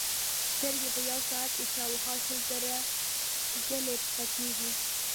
سترګې په یوه ساعت کې شاوخوا شل زره ځلې پټېږي.